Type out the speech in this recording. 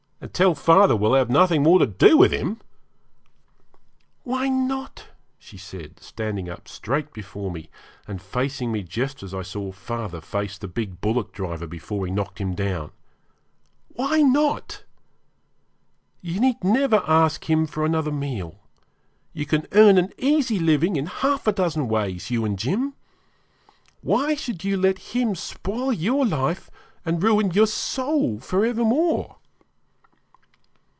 'And tell father we'll have nothing more to do with him!' 'Why not?' she said, standing up straight before me, and facing me just as I saw father face the big bullock driver before he knocked him down. 'Why not? You need never ask him for another meal; you can earn an easy living in half a dozen ways, you and Jim. Why should you let him spoil your life and ruin your soul for evermore?'